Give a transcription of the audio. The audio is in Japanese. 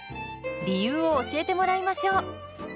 理由を教えてもらいましょう。